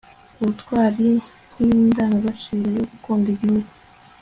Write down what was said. ubutwari nk'indangagaciro yo gukunda igihugu